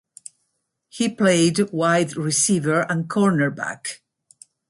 He played wide receiver and cornerback.